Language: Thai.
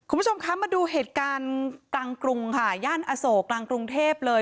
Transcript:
คุณผู้ชมคะมาดูเหตุการณ์กลางกรุงค่ะย่านอโศกกลางกรุงเทพเลย